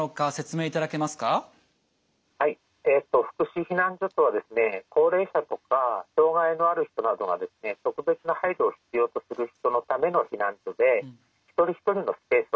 はい福祉避難所とは高齢者とか障害のある人などが特別な配慮を必要とする人のための避難所で一人一人のスペースは広いです。